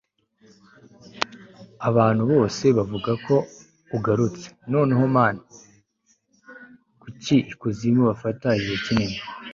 abantu bose bavuga ko ugarutse, noneho man kuki ikuzimu bifata igihe kinini